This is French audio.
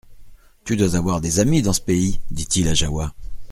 Tu dois avoir des amis dans ce pays ? dit-il à Jahoua.